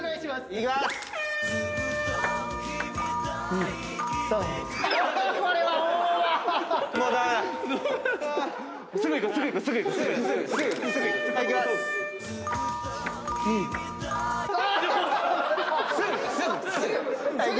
いきます。